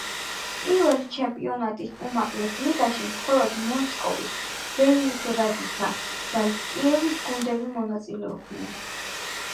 პირველი ჩემპიონატის უმაღლეს ლიგაში მხოლოდ მოსკოვის, ლენინგრადისა და კიევის გუნდები მონაწილეობდნენ.